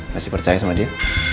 masih percaya sama dia